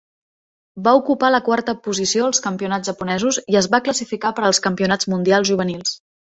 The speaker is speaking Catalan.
Va ocupar la quarta posició als campionats japonesos i es va classificar per als campionats mundials juvenils.